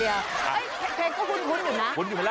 เฮ้ยพลิ้งก็หุ่นอยู่นะหุ่นอยู่ไหมล่ะ